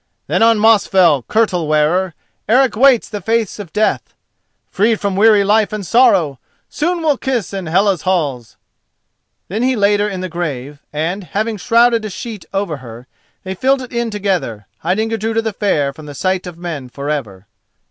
Then on Mosfell, Kirtle Wearer, Eric waits the face of Death. Freed from weary life and sorrow, Soon we'll kiss in Hela's halls!" Then he laid her in the grave, and, having shrouded a sheet over her, they filled it in together, hiding Gudruda the Fair from the sight of men for ever.